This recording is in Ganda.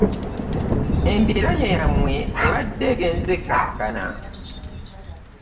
Embiranye yammwe ebadde egenze ekkakkana.